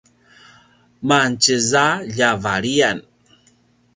mangetjez a ljavaliyan